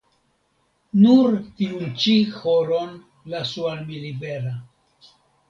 Nur tiun ĉi horon lasu al mi libera.